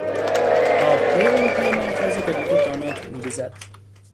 آبهای اروپای مرکزی به رود دانوب میریزد.